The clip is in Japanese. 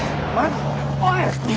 おい！